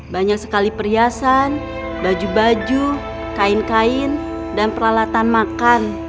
banyak sekali perhiasan baju baju kain kain dan peralatan makan